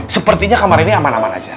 sepertinya kamar ini aman aman aja